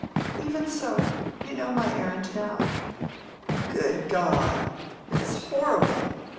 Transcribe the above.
"Even so. You know my errand now." "Good God! It is horrible!